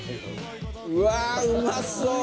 うわうまそう！